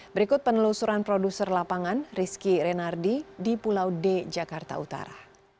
berikut penelusuran produser lapangan rizky renardi di pulau d jakarta utara